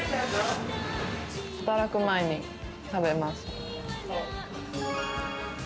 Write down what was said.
働く前に食べます。